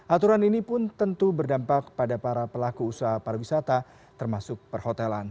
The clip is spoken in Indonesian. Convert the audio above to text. aturan ini pun tentu berdampak pada para pelaku usaha pariwisata termasuk perhotelan